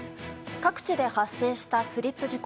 各地で発生したスリップ事故。